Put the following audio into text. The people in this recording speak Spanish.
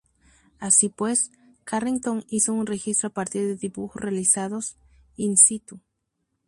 Así pues, Carrington hizo un registro a partir de dibujos realizados "in situ".